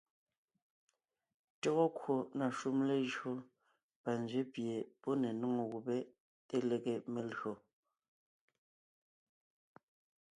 Tÿɔ́gɔ kwò na shúm lejÿó panzwě pie pɔ́ ne nóŋo gubé te lege melÿò.